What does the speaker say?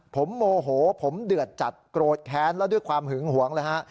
ผมโมโหผมเดือดจัดโกรธแค้นแล้วด้วยความหึงหวงเลยฮะ